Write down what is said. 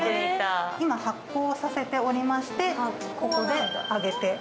今、発酵させておりまして、ここで揚げて。